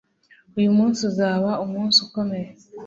uyu munsi uzaba umunsi ukomeye